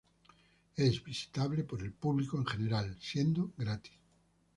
Es visitable por el público en general, siendo gratis.